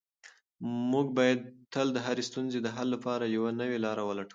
موږ باید تل د هرې ستونزې د حل لپاره یوه نوې لاره ولټوو.